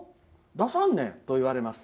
出さんねといわれます。